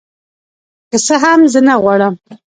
که څه هم زه نغواړم